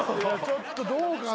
ちょっとどうかな？